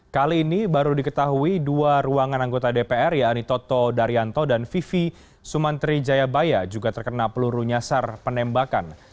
kali ini baru diketahui dua ruangan anggota dpr yakni toto daryanto dan vivi sumantri jayabaya juga terkena peluru nyasar penembakan